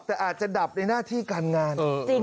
แต่อาจจะดับในหน้าที่การงาน